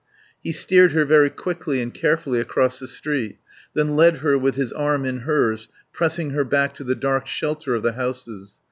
He steered her very quickly and carefully across the street, then led her with his arm in hers, pressing her back to the dark shelter of the houses.